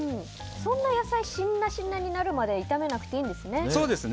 そんな野菜しなしなになるまで炒めなくていいんですね。